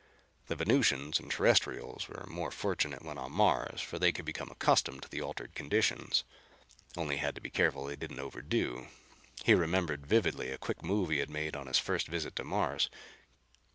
The Venusians and Terrestrials were more fortunate when on Mars, for they could become accustomed to the altered conditions. Only had to be careful they didn't overdo. He remembered vividly a quick move he had made on his first visit to Mars.